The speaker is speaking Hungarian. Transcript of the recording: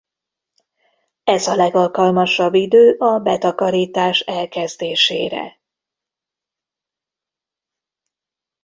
Ez a legalkalmasabb idő a betakarítás elkezdésére.